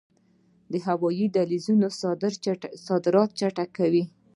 هوایی دهلیزونه صادرات چټکوي